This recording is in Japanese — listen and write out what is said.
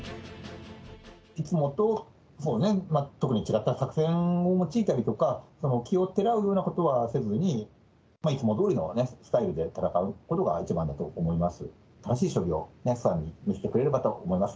いつもと特に違った作戦を用いたりとか、奇をてらうようなことはせずに、いつもどおりのスタイルで戦うのが一番だと思います。